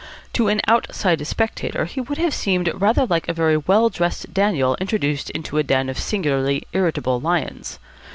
To an outside spectator he would have seemed rather like a very well dressed Daniel introduced into a den of singularly irritable lions.